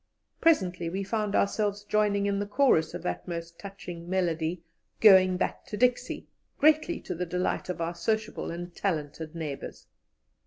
Presently we found ourselves joining in the chorus of that most touching melody, "Going back to Dixie," greatly to the delight of our sociable and talented neighbours.